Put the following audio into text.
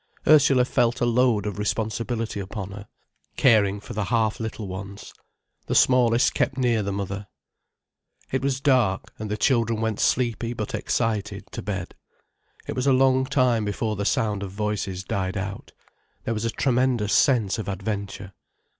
Ursula felt a load of responsibility upon her, caring for the half little ones. The smallest kept near the mother. It was dark, and the children went sleepy but excited to bed. It was a long time before the sound of voices died out. There was a tremendous sense of adventure.